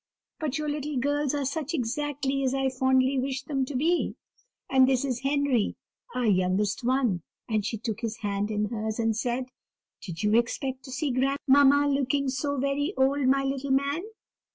But your little girls are such exactly as I fondly wished them to be. And this is Henry, our youngest one;" and she took his hand in hers, and said, "Did you expect to see grandmamma looking so very old, my little man?"